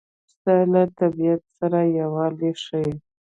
پسه له طبیعت سره یووالی ښيي.